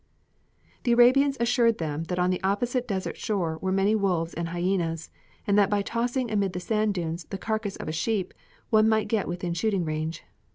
The Arabians assured them that on the opposite desert shore were many wolves and hyenas, and that by tossing amid the sand dunes the carcass of a sheep one might get within shooting range.